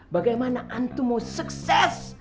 bagaimana antum mau sukses